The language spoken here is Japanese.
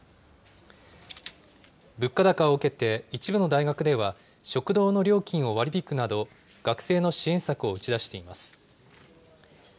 物価高を受けて、一部の大学では、食堂の料金を割り引くなど、学生の支援策を打ち出しています。